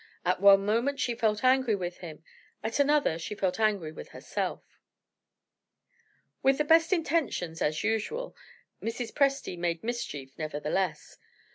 At one moment she felt angry with him; at another she felt angry with herself. With the best intentions (as usual) Mrs. Presty made mischief, nevertheless.